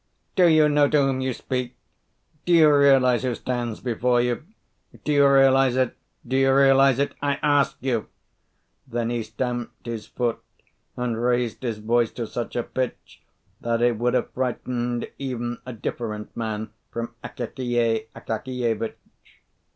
"Do you know to whom you speak? Do you realise who stands before you? Do you realise it? do you realise it? I ask you!" Then he stamped his foot and raised his voice to such a pitch that it would have frightened even a different man from Akakiy Akakievitch.